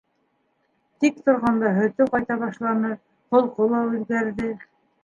Тик торғанда һөтө ҡайта башланы, холҡо ла үҙгәрҙе.